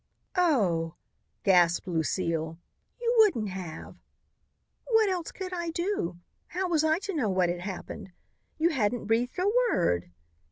'" "Oh!" gasped Lucile, "you wouldn't have!" "What else could I do? How was I to know what had happened? You hadn't breathed a word.